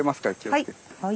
はい。